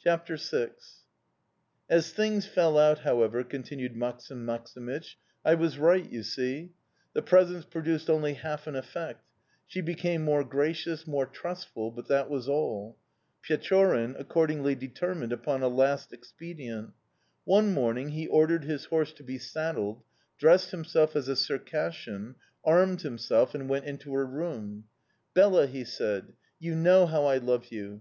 CHAPTER VI "AS things fell out, however," continued Maksim Maksimych, "I was right, you see. The presents produced only half an effect. She became more gracious more trustful but that was all. Pechorin accordingly determined upon a last expedient. One morning he ordered his horse to be saddled, dressed himself as a Circassian, armed himself, and went into her room. "'Bela,' he said. 'You know how I love you.